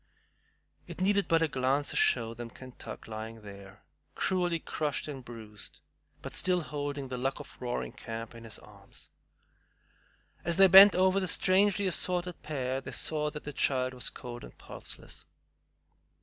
It needed but a glance to show them Kentuck lying there, cruelly crushed and bruised, but still holding The Luck of Roaring Camp in his arms. As they bent over the strangely assorted pair, they saw that the child was cold and pulseless.